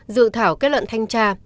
dự thảo kết luận thanh tra